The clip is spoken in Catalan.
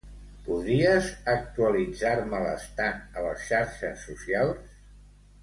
Podries actualitzar-me l'estat a les xarxes socials?